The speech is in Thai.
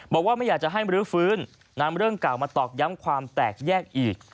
บอกว่าไม่อยากจะให้มรื้อฟื้นนำเรื่องเก่ามาตอกย้ำความแตกแยกอีก